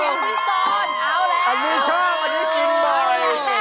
อะวิช่าวอันนี้จริงบ่อย